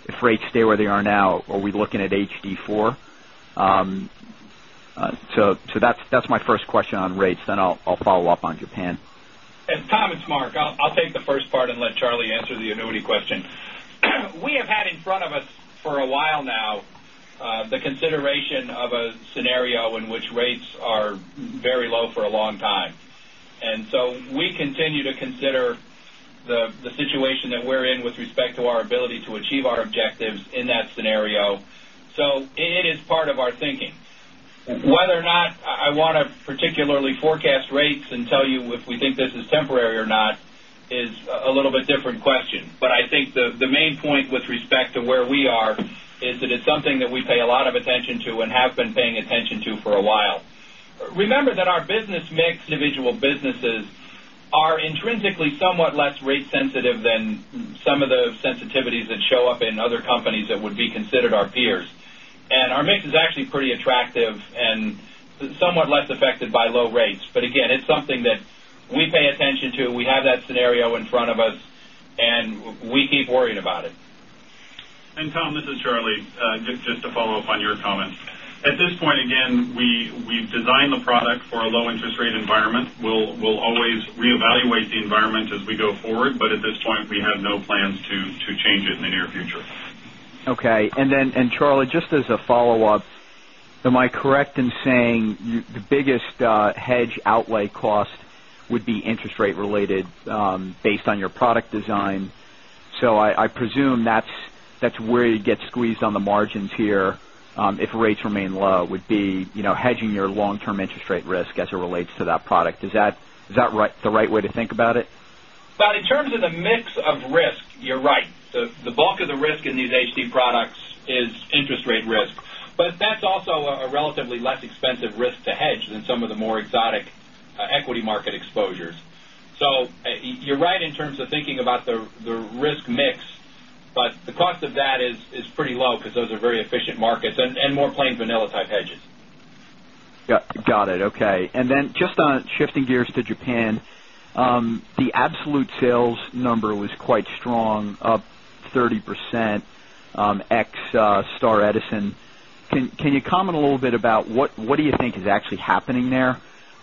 K: If rates stay where they are now, are we looking at HD4? That's my first question on rates, I'll follow up on Japan.
E: Tom, it's Mark. I'll take the first part and let Charlie answer the annuity question. We have had in front of us for a while now, the consideration of a scenario in which rates are very low for a long time. We continue to consider the situation that we're in with respect to our ability to achieve our objectives in that scenario. It is part of our thinking. Whether or not I want to particularly forecast rates and tell you if we think this is temporary or not is a little bit different question. I think the main point with respect to where we are, is that it's something that we pay a lot of attention to and have been paying attention to for a while. Remember that our business mix individual businesses are intrinsically somewhat less rate sensitive than some of the sensitivities that show up in other companies that would be considered our peers. Our mix is actually pretty attractive and somewhat less affected by low rates. Again, it's something that we pay attention to. We have that scenario in front of us, and we keep worrying about it.
G: Tom, this is Charlie. Just to follow up on your comment. At this point again, we've designed the product for a low interest rate environment. We'll always reevaluate the environment as we go forward, at this point, we have no plans to change it in the near future.
K: Okay. Charlie, just as a follow-up, am I correct in saying the biggest hedge outlay cost would be interest rate related based on your product design? I presume that's where you'd get squeezed on the margins here if rates remain low, would be hedging your long-term interest rate risk as it relates to that product. Is that the right way to think about it?
E: Well, in terms of the mix of risk, you're right. The bulk of the risk in these HD products is interest rate risk. That's also a relatively less expensive risk to hedge than some of the more exotic equity market exposures. You're right in terms of thinking about the risk mix, but the cost of that is pretty low because those are very efficient markets and more plain vanilla type hedges.
K: Got it. Okay. Then just on shifting gears to Japan, the absolute sales number was quite strong, up 30% ex-Star Edison. Can you comment a little bit about what do you think is actually happening there?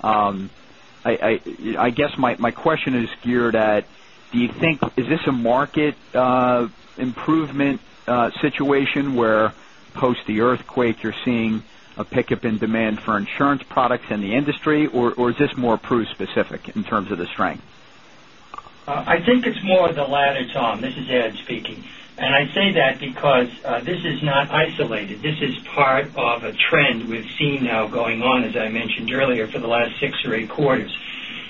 K: I guess my question is geared at, do you think, is this a market improvement situation where post the earthquake, you're seeing a pickup in demand for insurance products in the industry, or is this more Prudential specific in terms of the strength?
J: I think it's more of the latter, Tom. This is Ed speaking. I say that because this is not isolated. This is part of a trend we've seen now going on, as I mentioned earlier, for the last six or eight quarters.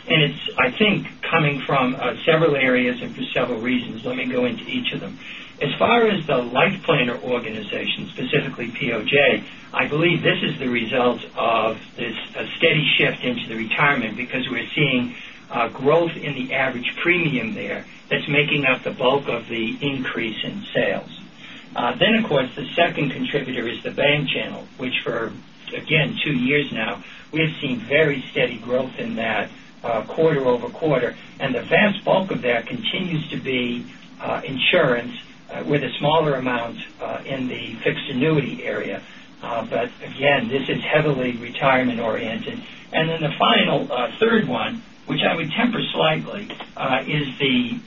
J: It's, I think, coming from several areas and for several reasons. Let me go into each of them. As far as the Life Planner organization, specifically POJ, I believe this is the result of this steady shift into the retirement because we're seeing growth in the average premium there that's making up the bulk of the increase in sales. Of course, the second contributor is the bank channel, which for, again, two years now, we have seen very steady growth in that quarter-over-quarter. The vast bulk of that continues to be insurance with a smaller amount in the fixed annuity area. Again, this is heavily retirement oriented. Then the final third one, which I would temper slightly, is the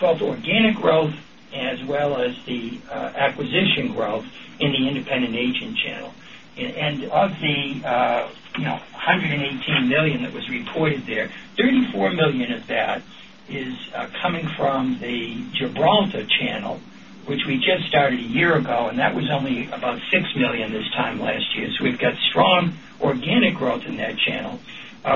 J: both organic growth as well as the acquisition growth in the independent agent channel. Of the $118 million that was reported there, $34 million of that is coming from the Gibraltar channel, which we just started a year ago, and that was only about $6 million this time last year. We've got strong organic growth in that channel,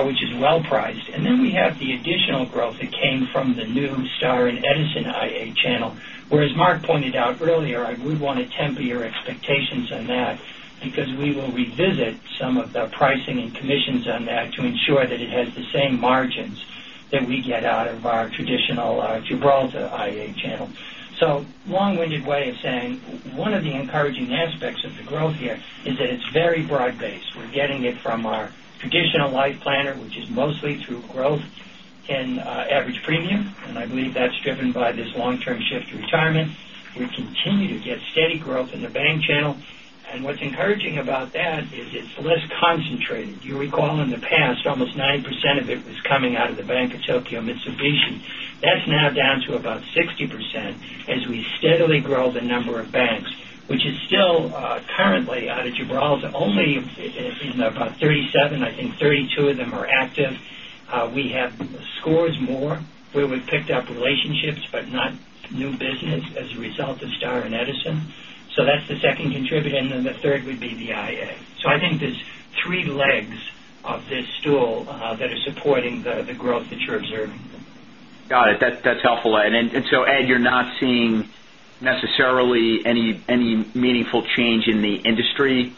J: which is well priced. Then we have the additional growth that came from the new Star and Edison IA channel. Whereas Mark pointed out earlier, I would want to temper your expectations on that because we will revisit some of the pricing and commissions on that to ensure that it has the same margins that we get out of our traditional Gibraltar IA channel. Long-winded way of saying one of the encouraging aspects of the growth here is that it's very broad-based. We're getting it from our traditional Life Planner, which is mostly through growth in average premium, and I believe that's driven by this long-term shift to retirement. We continue to get steady growth in the bank channel. What's encouraging about that is it's less concentrated. You recall in the past, almost 90% of it was coming out of The Bank of Tokyo-Mitsubishi. That's now down to about 60% as we steadily grow the number of banks. Which is still currently out of Gibraltar, only in about 37, I think 32 of them are active. We have scores more where we've picked up relationships, but not new business as a result of Star and Edison. That's the second contributor. Then the third would be the IA. I think there's three legs of this stool that are supporting the growth that you're observing.
K: Got it. That's helpful. Ed, you're not seeing necessarily any meaningful change in the industry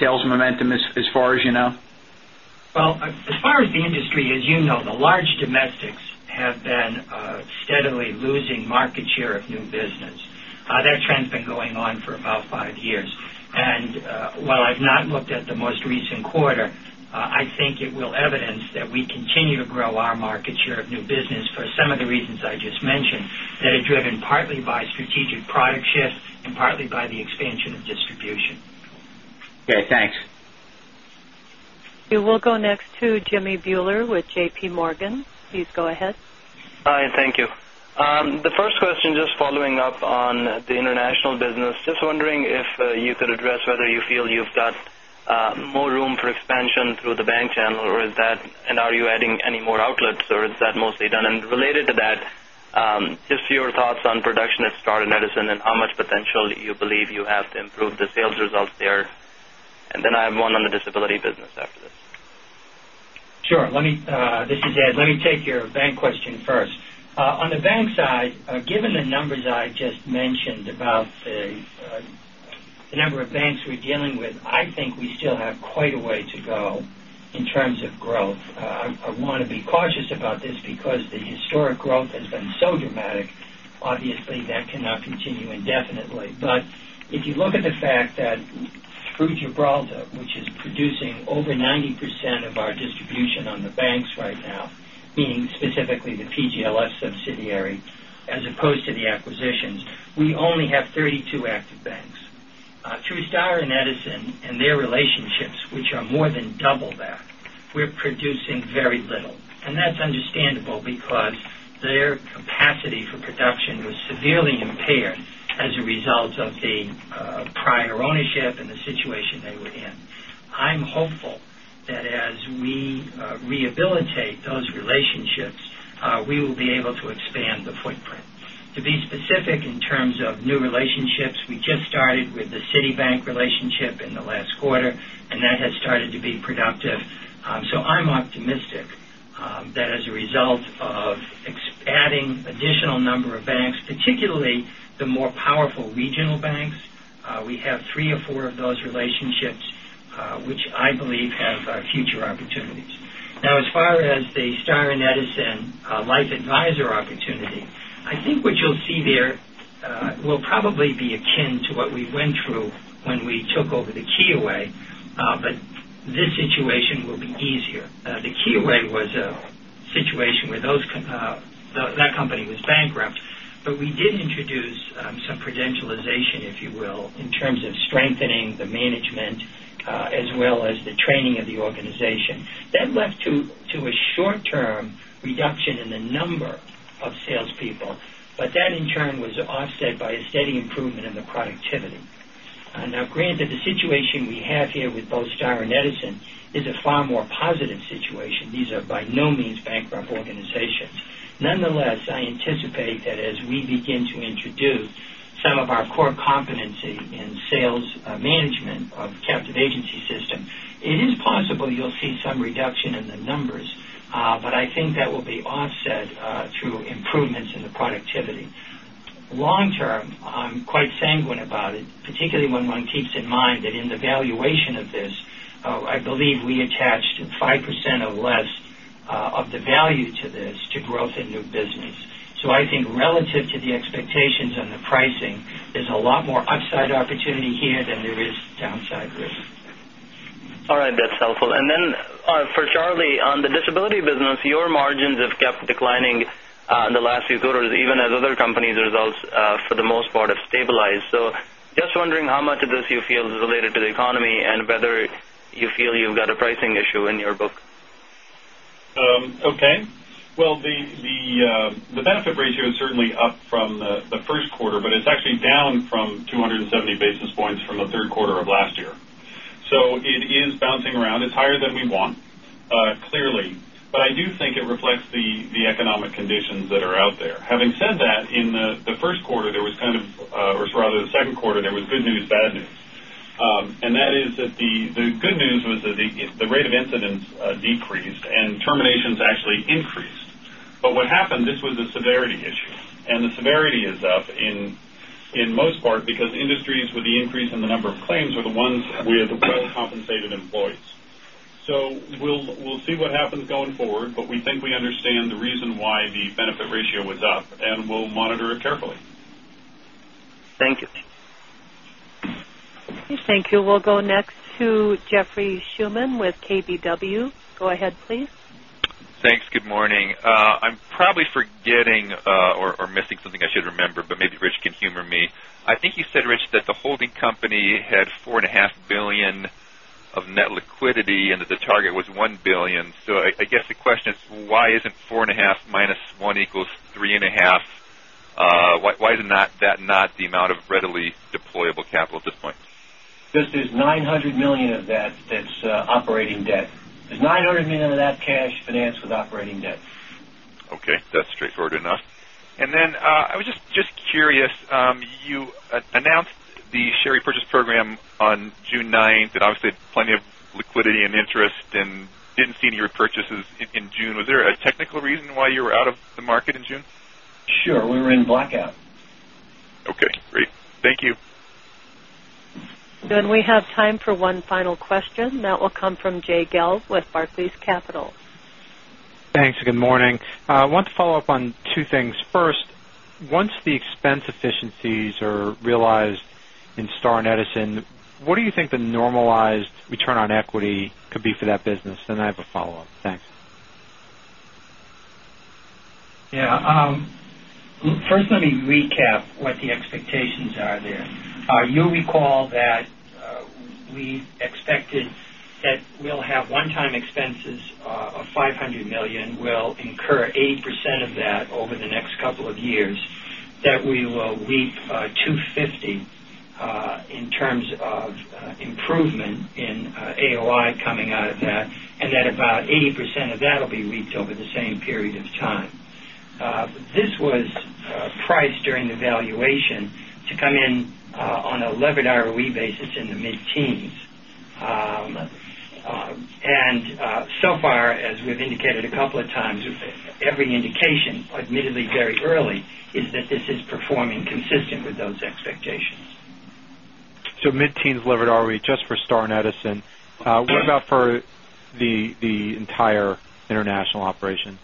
K: sales momentum as far as you know?
J: Well, as far as the industry, as you know, the large domestics have been steadily losing market share of new business. That trend's been going on for about five years. While I've not looked at the most recent quarter, I think it will evidence that we continue to grow our market share of new business for some of the reasons I just mentioned, that are driven partly by strategic product shifts and partly by the expansion of distribution.
K: Okay, thanks.
A: We'll go next to Jimmy Bhullar with J.P. Morgan. Please go ahead.
L: Hi, thank you. The first question, just following up on the international business. Just wondering if you could address whether you feel you've got more room for expansion through the bank channel, and are you adding any more outlets, or is that mostly done? Related to that, just your thoughts on production at Star and Edison and how much potential you believe you have to improve the sales results there. I have one on the disability business after this.
J: Sure. This is Ed. Let me take your bank question first. On the bank side, given the numbers I just mentioned about the number of banks we're dealing with, I think we still have quite a way to go in terms of growth. I want to be cautious about this because the historic growth has been so dramatic. Obviously, that cannot continue indefinitely. If you look at the fact that through Gibraltar, which is producing over 90% of our distribution on the banks right now, meaning specifically the PGLS subsidiary as opposed to the acquisitions, we only have 32 active banks. Through Star and Edison and their relationships, which are more than double that, we're producing very little. That's understandable because their capacity for production was severely impaired as a result of the prior ownership and the situation they were in. I'm hopeful that as we rehabilitate those relationships, we will be able to expand the footprint. To be specific in terms of new relationships, we just started with the Citibank relationship in the last quarter, that has started to be productive. I'm optimistic that as a result of adding additional number of banks, particularly the more powerful regional banks, we have three or four of those relationships, which I believe have future opportunities. Now, as far as the Star and Edison life advisor opportunity, I think what you'll see there will probably be akin to what we went through when we took over the Kyoei, but this situation will be easier. The Kyoei was a situation where that company was bankrupt, but we did introduce some credentialization, if you will, in terms of strengthening the management as well as the training of the organization. That led to a short-term reduction in the number of salespeople, that in turn was offset by a steady improvement in the productivity. Now, granted, the situation we have here with both Star and Edison is a far more positive situation. These are by no means bankrupt organizations. Nonetheless, I anticipate that as we begin to introduce some of our core competency in sales management of captive agency system, it is possible you'll see some reduction in the numbers, but I think that will be offset through improvements in the productivity. Long term, I'm quite sanguine about it, particularly when one keeps in mind that in the valuation of this, I believe we attached 5% or less of the value to this to growth in new business. I think relative to the expectations and the pricing, there's a lot more upside opportunity here than there is downside risk.
L: All right. That's helpful. Then for Charlie, on the disability business, your margins have kept declining in the last few quarters, even as other companies' results, for the most part, have stabilized. Just wondering how much of this you feel is related to the economy and whether you feel you've got a pricing issue in your book.
G: Okay. Well, the benefit ratio is certainly up from the first quarter, it's actually down from 270 basis points from the third quarter of last year. It is bouncing around. It's higher than we want, clearly, I do think it reflects the economic conditions that are out there. Having said that, in the first quarter, or rather the second quarter, there was good news, bad news. That is that the good news was that the rate of incidence decreased and terminations actually increased. What happened, this was a severity issue, and the severity is up in most part because industries with the increase in the number of claims are the ones with well-compensated employees. We'll see what happens going forward, we think we understand the reason why the benefit ratio was up, we'll monitor it carefully.
L: Thank you.
A: Okay, thank you. We'll go next to Jeffrey Schuman with KBW. Go ahead, please.
M: Thanks. Good morning. I'm probably forgetting or missing something I should remember, but maybe Rich can humor me. I think you said, Rich, that the holding company had $4.5 billion of net liquidity, and that the target was $1 billion. I guess the question is, why isn't $4.5 minus $1 equals $3.5? Why is that not the amount of readily deployable capital at this point?
D: There's $900 million of that's operating debt. There's $900 million of that cash financed with operating debt.
M: Okay, that's straightforward enough. I was just curious. You announced the share repurchase program on June 9th, and obviously had plenty of liquidity and interest and didn't see any repurchases in June. Was there a technical reason why you were out of the market in June?
D: Sure. We were in blackout.
M: Okay, great. Thank you.
A: We have time for one final question. That will come from Jay Gelb with Barclays Capital.
N: Thanks. Good morning. I want to follow up on two things. First, once the expense efficiencies are realized in Star and Edison, what do you think the normalized return on equity could be for that business? I have a follow-up. Thanks.
J: Yeah. First, let me recap what the expectations are there. You'll recall that we expected that we'll have one-time expenses of $500 million. We'll incur 80% of that over the next couple of years, that we will reap $250 million in terms of improvement in AOI coming out of that, and that about 80% of that'll be reaped over the same period of time. This was priced during the valuation to come in on a levered ROE basis in the mid-teens. So far, as we've indicated a couple of times, every indication, admittedly very early, is that this is performing consistent with those expectations.
N: Mid-teens levered ROE just for Star and Edison. What about for the entire international operation?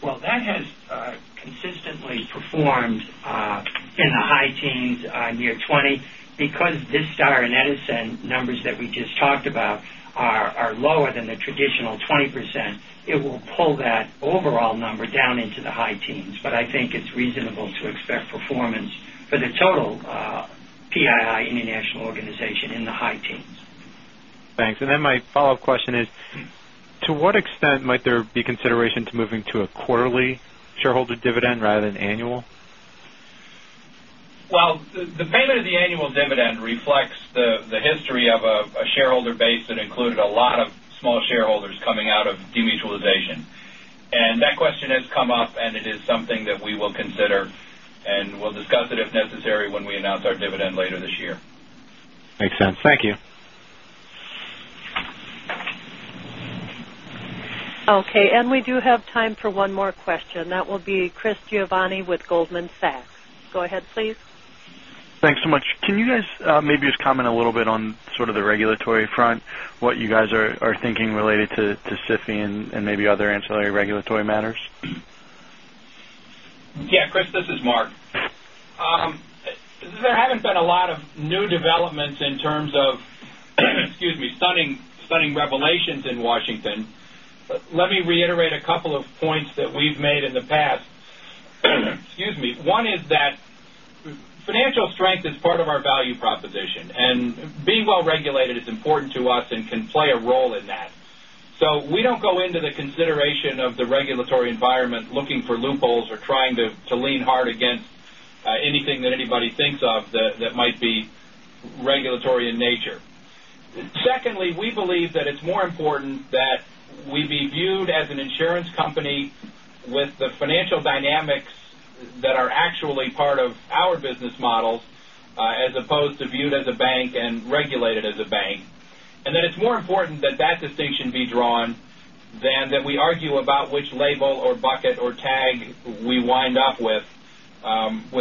J: Well, that has consistently performed in the high teens, near 20%. Because this Star and Edison numbers that we just talked about are lower than the traditional 20%, it will pull that overall number down into the high teens. I think it's reasonable to expect performance for the total PII international organization in the high teens.
N: Thanks. Then my follow-up question is, to what extent might there be consideration to moving to a quarterly shareholder dividend rather than annual?
E: Well, the payment of the annual dividend reflects the history of a shareholder base that included a lot of small shareholders coming out of demutualization. That question has come up, and it is something that we will consider, and we'll discuss it if necessary when we announce our dividend later this year.
N: Makes sense. Thank you.
A: Okay, we do have time for one more question. That will be Chris Giovanni with Goldman Sachs. Go ahead, please.
O: Thanks so much. Can you guys maybe just comment a little bit on sort of the regulatory front, what you guys are thinking related to SIFI and maybe other ancillary regulatory matters?
E: Yeah, Chris, this is Mark. There haven't been a lot of new developments in terms of, excuse me, stunning revelations in Washington. Let me reiterate a couple of points that we've made in the past. Excuse me. One is that financial strength is part of our value proposition, and being well-regulated is important to us and can play a role in that. We don't go into the consideration of the regulatory environment looking for loopholes or trying to lean hard against anything that anybody thinks of that might be regulatory in nature. Secondly, we believe that it's more important that we be viewed as an insurance company with the financial dynamics that are actually part of our business models, as opposed to viewed as a bank and regulated as a bank. That it's more important that that distinction be drawn than that we argue about which label or bucket or tag we wind up with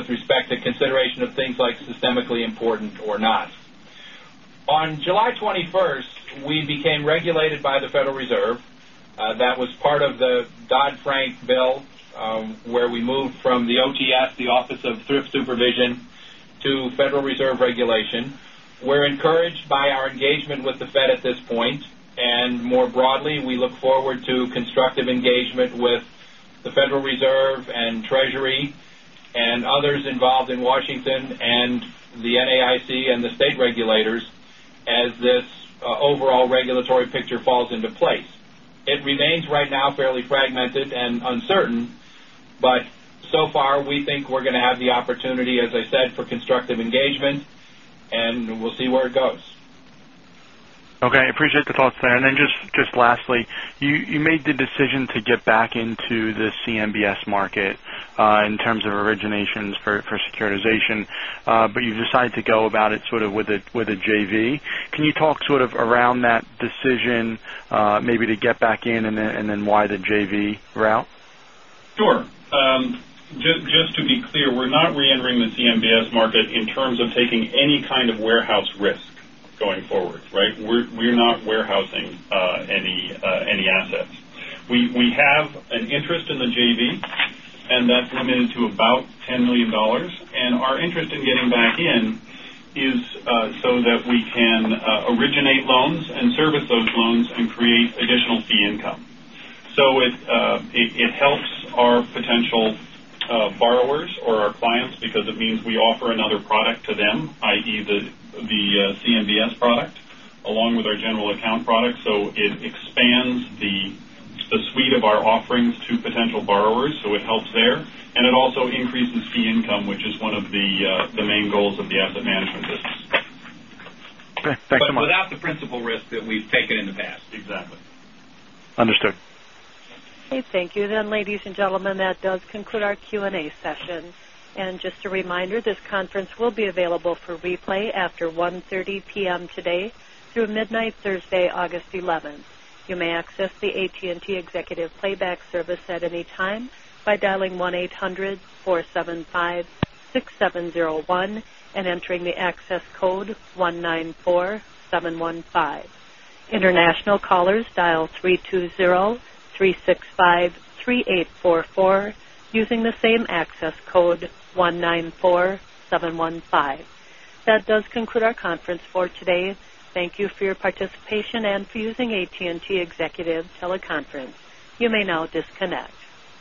E: respect to consideration of things like systemically important or not. On July 21st, we became regulated by the Federal Reserve. That was part of the Dodd-Frank bill, where we moved from the OTS, the Office of Thrift Supervision, to Federal Reserve regulation. We're encouraged by our engagement with the Fed at this point, more broadly, we look forward to constructive engagement with the Federal Reserve and Treasury and others involved in Washington and the NAIC and the state regulators as this overall regulatory picture falls into place. It remains right now fairly fragmented and uncertain, so far, we think we're going to have the opportunity, as I said, for constructive engagement, and we'll see where it goes.
O: Okay. Appreciate the thoughts there. Just lastly, you made the decision to get back into the CMBS market in terms of originations for securitization, but you've decided to go about it sort of with a JV. Can you talk sort of around that decision, maybe to get back in and then why the JV route?
E: Sure. Just to be clear, we're not reentering the CMBS market in terms of taking any kind of warehouse risk going forward, right? We're not warehousing any assets. We have an interest in the JV, and that's limited to about $10 million. Our interest in getting back in is so that we can originate loans and service those loans and create additional fee income. It helps our potential borrowers or our clients because it means we offer another product to them, i.e., the CMBS product, along with our general account product. It expands the suite of our offerings to potential borrowers, so it helps there. It also increases fee income, which is one of the main goals of the asset management business.
O: Okay. Thanks so much.
E: Without the principal risk that we've taken in the past. Exactly.
O: Understood.
A: Thank you, ladies and gentlemen, that does conclude our Q&A session. Just a reminder, this conference will be available for replay after 1:30 P.M. today through midnight Thursday, August 11th. You may access the AT&T Executive Playback Service at any time by dialing 1-800-475-6701 and entering the access code 194715. International callers, dial 3203653844 using the same access code, 194715. That does conclude our conference for today. Thank you for your participation and for using AT&T Executive Teleconference. You may now disconnect.